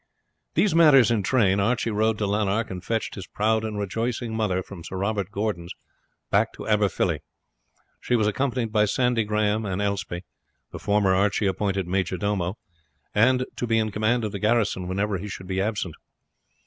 These matters in train, Archie rode to Lanark and fetched his proud and rejoicing mother from Sir Robert Gordon's to Aberfilly. She was accompanied by Sandy Graham and Elspie: the former Archie appointed majordomo, and to be in command of the garrison whenever he should be absent.